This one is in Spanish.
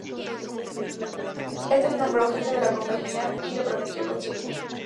Este lo nombró jefe de la Compañía y lo prometió con su hija.